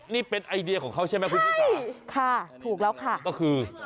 นี่เป็นไอเดียของเขาใช่ไหมคุณชิสาค่ะถูกแล้วค่ะก็คือ